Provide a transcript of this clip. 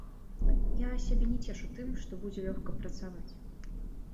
Я сябе не цешу тым, што будзе лёгка працаваць.